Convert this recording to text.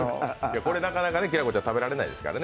これはなかなか、きらこちゃん、食べられないですからね。